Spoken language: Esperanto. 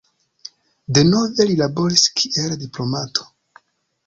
Denove li laboris kiel diplomato.